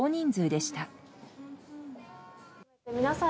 皆さん